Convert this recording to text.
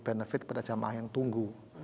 beri benefit kepada jamaah yang tunggu